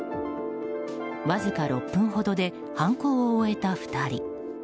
わずか６分ほどで犯行を終えた２人。